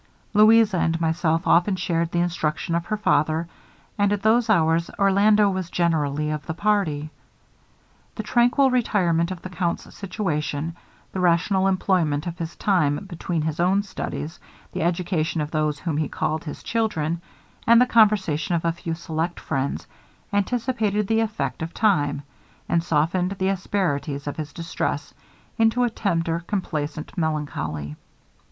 Louisa and myself often shared the instruction of her father, and at those hours Orlando was generally of the party. The tranquil retirement of the count's situation, the rational employment of his time between his own studies, the education of those whom he called his children, and the conversation of a few select friends, anticipated the effect of time, and softened the asperities of his distress into a tender complacent melancholy.